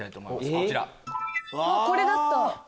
これだった！